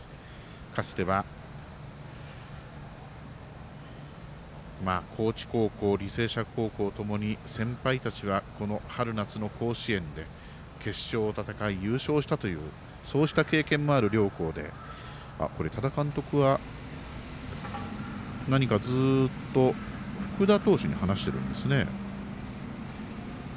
かつては、高知高校履正社高校ともに先輩たちは、春夏の甲子園で決勝を戦い、優勝したというそうした経験もある両校で多田監督は何か、ずっと、福田投手に話しているんですね。